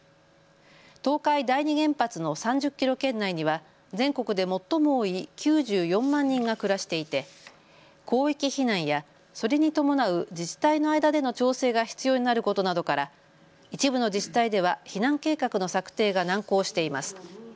東海第二原発の３０キロ圏内には全国で最も多い９４万人が暮らしていて広域避難やそれに伴う自治体の間での調整が必要になることなどから一部の自治体では避難計画の策定が難航しています。